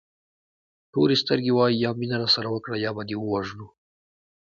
تورې سترګې وایي یا مینه راسره وکړه یا به دې ووژنو.